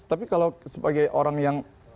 tapi kalau sebagai orang yang